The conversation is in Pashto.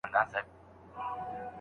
د نوې ميرمنې قسم کوم تفصیلي بحث لري؟